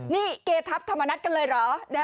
นี่เกทัพธรรมนัฐกันเลยเหรอ